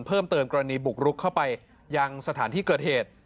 เพิ่มเติมกรณีบุกรุกเข้าไปยังสถานที่เกิดเหตุ